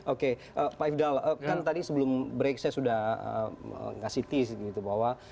oke pak ifdal kan tadi sebelum break saya sudah ngasih tis gitu bahwa